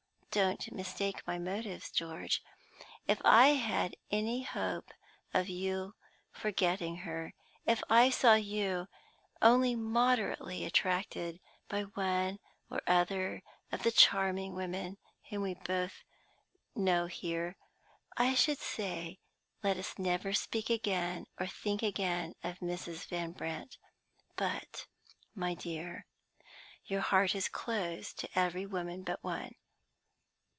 Don't mistake my motives, George. If I had any hope of your forgetting her if I saw you only moderately attracted by one or other of the charming women whom we know here I should say, let us never speak again or think again of Mrs. Van Brandt. But, my dear, your heart is closed to every woman but one.